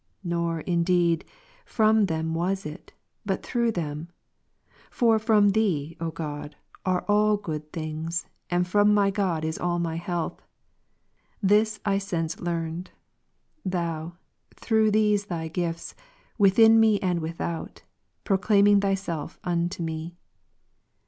Nor, indeed, from them was it, but through them ; for from Thee, O God, are all good things, m\dfrom my God is all my health. This I since learned. Thou, through these Thy gifts, within me and without, proclaiming Thyself unto me.